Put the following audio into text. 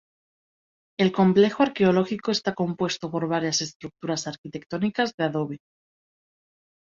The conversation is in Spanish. El complejo arqueológico está compuesto por varias estructuras arquitectónicas de adobe.